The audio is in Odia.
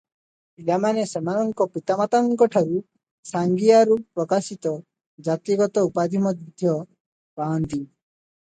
ପିଲାମାନେ ସେମାନଙ୍କ ପିତାମାତାଙ୍କଠାରୁ ସାଙ୍ଗିଆରୁ ପ୍ରକାଶିତ ଜାତିଗତ ଉପାଧି ମଧ୍ୟ ପାଆନ୍ତି ।